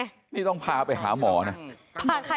เราก็ไปวิเคราะห์ตับหมูซะอย่างนั้นไง